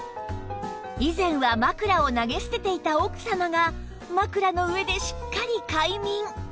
以前は枕を投げ捨てていた奥様が枕の上でしっかり快眠